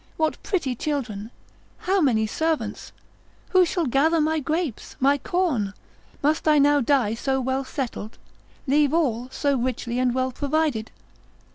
what pretty children! how many servants! who shall gather my grapes, my corn? Must I now die so well settled? Leave all, so richly and well provided?